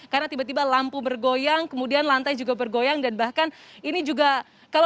karena tiba tiba lampu bergoyang kemudian lantai juga bergoyang dan bahkan ini juga kalau